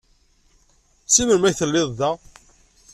Seg melmi ay telliḍ da?